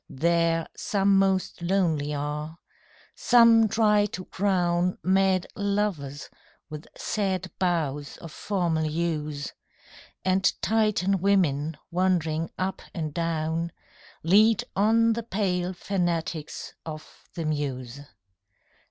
There some most lonely are: some try to crown Mad lovers with sad boughs of formal yews, And Titan women wandering up and down Lead on the pale fanatics of the muse.